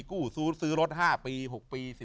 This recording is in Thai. กู้ซื้อรถ๕ปี๖ปี๑๐ปี